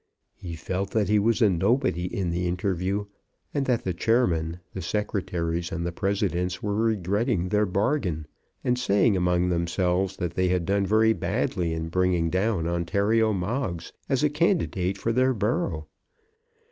He felt that he was a nobody in the interview, and that the chairmen, the secretaries, and the presidents were regretting their bargain, and saying among themselves that they had done very badly in bringing down Ontario Moggs as a candidate for their borough.